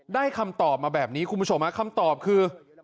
คำตอบมาแบบนี้คุณผู้ชมฮะคำตอบคือ